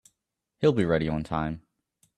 He'll be ready on time.